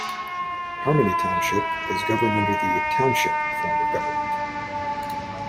Harmony Township is governed under the Township form of government.